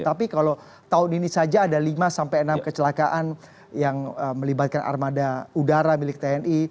tapi kalau tahun ini saja ada lima sampai enam kecelakaan yang melibatkan armada udara milik tni